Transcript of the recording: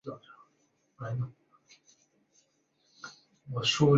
县名来自易洛魁联盟的成员之一奥农达加人。